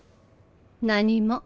何も。